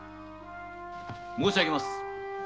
申しあげます。